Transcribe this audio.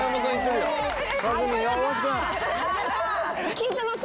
聞いてます？